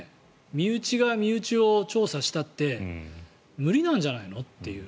身内が身内を調査したって無理なんじゃないのっていう。